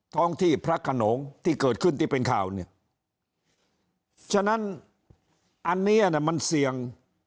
ท้องที่พระขนงที่เกิดขึ้นที่เป็นข่าวเนี่ยฉะนั้นอันเนี้ยมันเสี่ยง